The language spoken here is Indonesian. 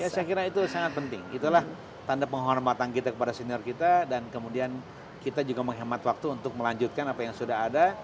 ya saya kira itu sangat penting itulah tanda penghormatan kita kepada senior kita dan kemudian kita juga menghemat waktu untuk melanjutkan apa yang sudah ada